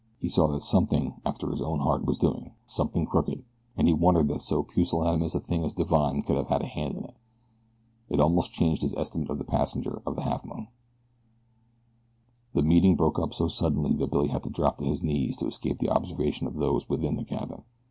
He saw that something after his own heart was doing something crooked, and he wondered that so pusillanimous a thing as Divine could have a hand in it. It almost changed his estimate of the passenger of the Halfmoon. The meeting broke up so suddenly that Billy had to drop to his knees to escape the observation of those within the cabin.